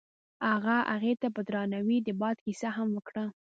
هغه هغې ته په درناوي د باد کیسه هم وکړه.